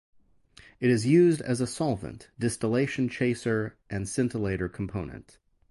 It is used as a solvent, distillation chaser, and scintillator component.